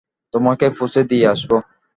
তোমাকে পৌঁছে দিয়ে আসব?